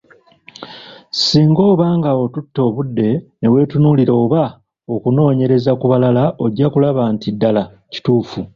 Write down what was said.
Singa obanga otutte obudde ne weetunuulira oba okunoonyereza ku balala ojja kulaba nti ddala kituufu.